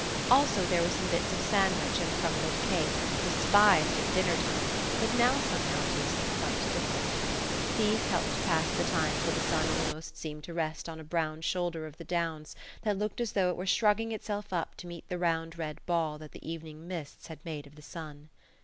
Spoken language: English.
Also there were some bits of sandwich and crumbled cake, despised at dinner time, but now, somehow, tasting quite different. These helped to pass the time till the sun almost seemed to rest on a brown shoulder of the downs, that looked as though it were shrugging itself up to meet the round red ball that the evening mists had made of the sun.